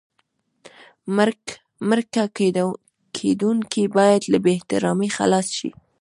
مرکه کېدونکی باید له بې احترامۍ خلاص شي.